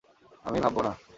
আমি ভাববো না।